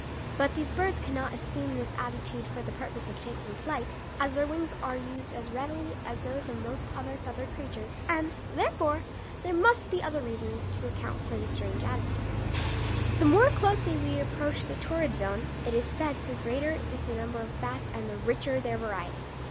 But these birds cannot assume this attitude for the purpose of taking flight, as their wings are used as readily as those of most other feathered creatures, and, therefore, there must be other reasons to account for the strange attitude. The more closely we approach the torrid zone, it is said, the greater is the number of bats and the richer their variety.